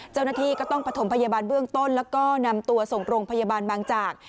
เจ้าหน้าที่ก็ต้องประถมพยาบาลเบื้องต้นแล้วก็นำตัวส่งโรงพยาบาลบางจาก